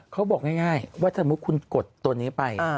เขาบอกง่ายว่าสมมุติคุณกดตัวนี้ไป